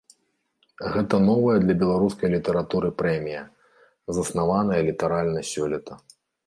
Гэта новая для беларускай літаратуры прэмія, заснаваная літаральна сёлета.